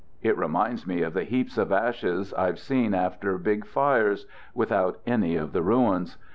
It reminds me of the heaps of ashes I've seen after big fires, with out any of the ruins.